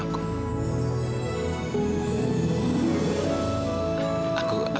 tunggu waktu coba